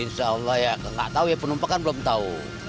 insya allah ya nggak tahu ya penumpukan belum tahu